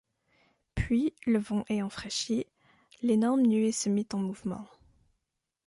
Puis, le vent ayant fraîchi, l’énorme nuée se mit en mouvement.